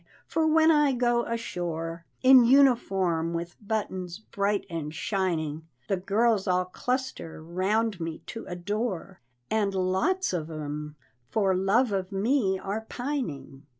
For when I go ashore, In uniform with buttons bright and shining, The girls all cluster 'round me to adore, And lots of 'em for love of me are pining.